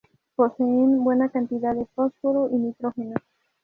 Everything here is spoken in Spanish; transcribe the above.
Poseen buena cantidad de fósforo y nitrógeno.